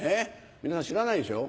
みんな知らないでしょ？